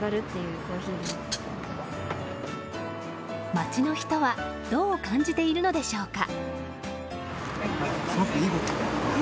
街の人はどう感じているのでしょうか。